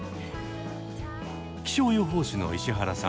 気象予報士の石原さん